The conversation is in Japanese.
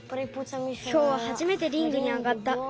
きょうははじめてリングに上がった。